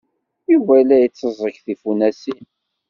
Yuba la itteẓẓeg tifunasin.